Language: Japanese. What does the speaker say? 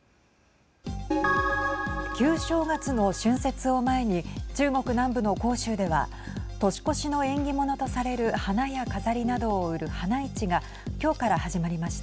旧正月の春節を前に中国南部の広州では年越しの縁起物とされる花や飾りなどを売る花市が今日から始まりました。